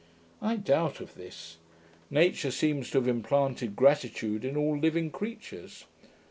I doubt of this. Nature seems to have implanted gratitude in all living creatures.